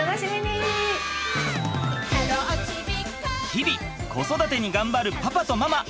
日々子育てに頑張るパパとママ。